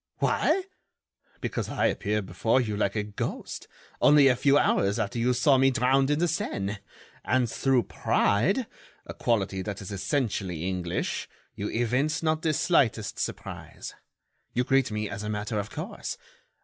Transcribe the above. "Why? Because I appear before you like a ghost, only a few hours after you saw me drowned in the Seine; and through pride—a quality that is essentially English—you evince not the slightest surprise. You greet me as a matter of course.